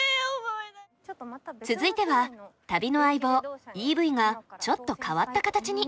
続いては旅の相棒ＥＶがちょっと変わった形に。